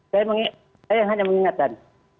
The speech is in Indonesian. saya hanya mengingatkan